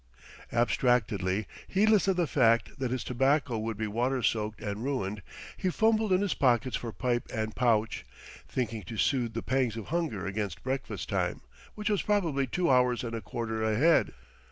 Abstractedly, heedless of the fact that his tobacco would be water soaked and ruined, he fumbled in his pockets for pipe and pouch, thinking to soothe the pangs of hunger against breakfast time; which was probably two hours and a quarter ahead.